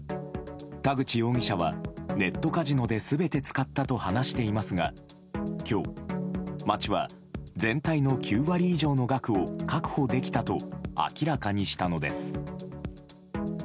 田口容疑者は、ネットカジノで全て使ったと話していますが今日、町は全体の９割以上の額を確保できたと明らかにしたのです。